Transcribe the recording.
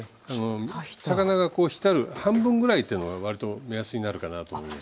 魚がこうひたる半分ぐらいというのが割と目安になるかなと思います。